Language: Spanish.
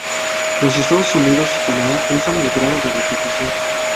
Los Estados Unidos y Canadá usan el grado de repetición.